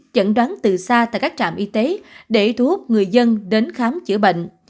chẩn đoán từ xa tại các trạm y tế để thu hút người dân đến khám chữa bệnh